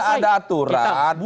tidak ada aturan